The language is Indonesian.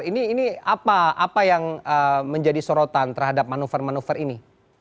ini apa yang menjadi sorotan terhadap manuver manuver ini